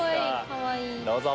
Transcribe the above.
どうぞ。